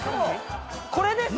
これです！